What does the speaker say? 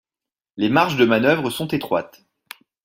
Les marges de manœuvre sont étroites.